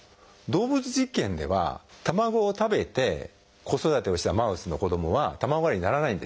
動物実験では卵を食べて子育てをしたマウスの子どもは卵アレルギーにならないんですよ。